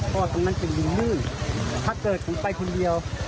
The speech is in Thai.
กลัวตังนั้นจะมีลื่นถ้าเกิดผมไปคนเดียว